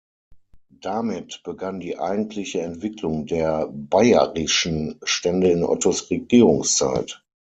Damit begann die eigentliche Entwicklung der bayerischen Stände in Ottos Regierungszeit.